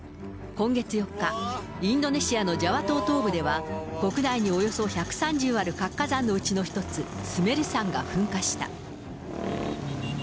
今月４日、インドネシアのジャワ島東部では、国内におよそ１３０ある活火山の一つ、スメル山が噴火した。